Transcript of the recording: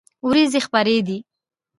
ورېځې خپری دي